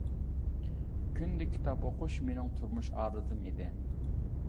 كۈندە كىتاب ئۇقۇش مىنىڭ تۇرمۇش ئادىتىم ئىدى.